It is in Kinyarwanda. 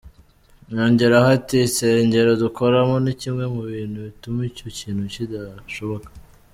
Yongeraho ati “Insengero dukoramo ni kimwe mu bintu bituma icyo kintu kidashoboka.